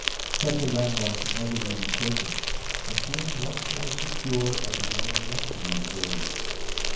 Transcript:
Such a landmark could never be mistaken, and feeling once more secure, I began again to move forward.